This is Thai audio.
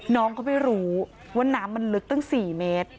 น้องเขาไม่รู้ว่าน้ำมันลึกตั้ง๔เมตร